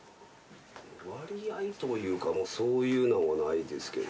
割合というかそういうのはないですけど。